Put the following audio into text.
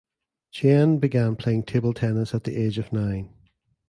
Tien began playing table tennis at the age of nine.